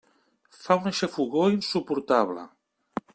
Fa una xafogor insuportable.